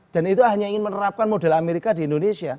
itu hanya ingin menerapkan model amerika di indonesia